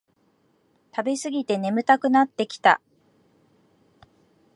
食べすぎて眠くなってきた